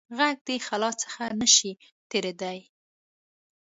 غږ د خلا څخه نه شي تېرېدای.